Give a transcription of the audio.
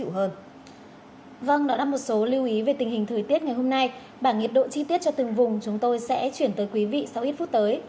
hôm nay bảng nhiệt độ chi tiết cho từng vùng chúng tôi sẽ chuyển tới quý vị sau ít phút tới